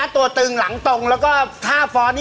ตัวตึงหลังตรงแล้วก็ท่าฟ้อน